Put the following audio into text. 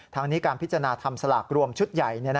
ทั้งนี้การพิจารณาทำสลากรวมชุดใหญ่